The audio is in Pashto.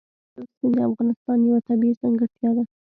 کندز سیند د افغانستان یوه طبیعي ځانګړتیا ده.